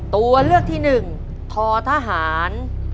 ตัวเลือกที่๑ททหาร